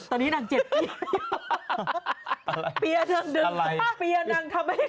ออนแม่ให้เยอะเยอะไว้เกียร์